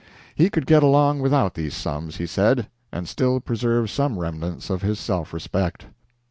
He could get along without these sums, he said, and still preserve some remnants of his self respect.